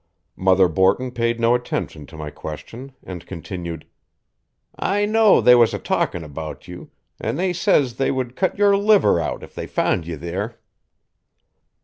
Mother Borton paid no attention to my question, and continued: "I knowed they was a talking about you, an' they says they would cut your liver out if they found ye there."